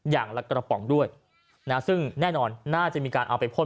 อย่างละกระป๋องด้วยนะซึ่งแน่นอนน่าจะมีการเอาไปพ่น